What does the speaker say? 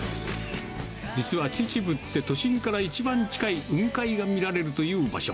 実は秩父って、都心から一番近い雲海が見られるという場所。